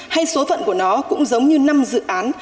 hay số phận của nó cũng giống như năm dự án